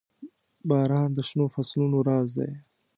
• باران د شنو فصلونو راز دی.